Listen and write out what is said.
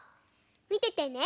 みててね。